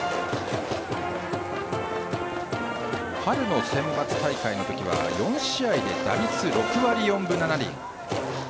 春のセンバツ大会では４試合で打率６割４分７厘。